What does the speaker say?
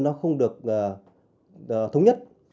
nó không được thống nhất